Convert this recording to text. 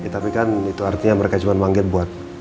tapi kan itu artinya mereka cuma manggil buat check up aja kan